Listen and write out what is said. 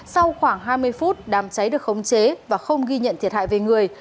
sau khoảng hai mươi phút đám cháy được khống chế và không ghi nhận thiệt hại về người